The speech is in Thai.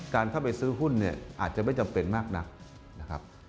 เข้าไปซื้อหุ้นเนี่ยอาจจะไม่จำเป็นมากนักนะครับ